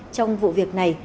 trong vụ việc này